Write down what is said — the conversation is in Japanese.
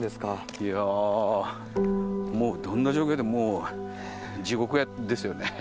いやー、もうどんな状況って、もう地獄ですよね。